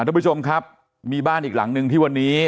ทุกผู้ชมครับมีบ้านอีกหลังหนึ่งที่วันนี้